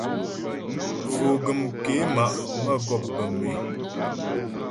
Foguəm ké ma' mə́gɔp bə̌m é.